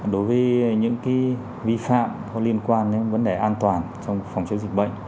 đối với những vi phạm có liên quan đến vấn đề an toàn trong phòng chống dịch bệnh